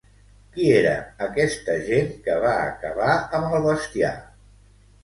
Qui era aquesta gent que va acabar amb el bestiar?